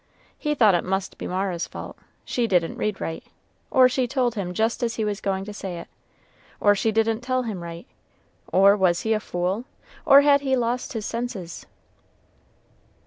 He thought it must be Mara's fault; she didn't read right, or she told him just as he was going to say it, or she didn't tell him right; or was he a fool? or had he lost his senses?